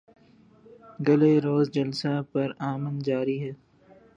گلے روز جلسہ پر امن جاری تھا